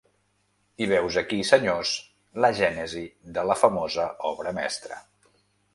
I veus aquí, senyors, la gènesi de la famosa obra mestra…